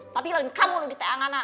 tapi kamu tuh di tengah mana